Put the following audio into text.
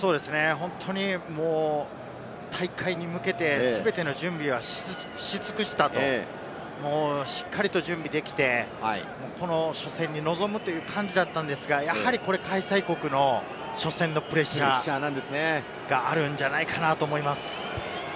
本当に大会に向けて全ての準備はし尽くしたという、しっかりと準備できてこの初戦に臨むという感じだったんですが、やはり開催国の初戦のプレッシャーがあるんじゃないかなと思います。